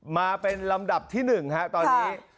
มาเป็นลำดับที่๑ตอนนี้